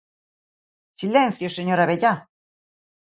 ¡Silencio, señor Abellá!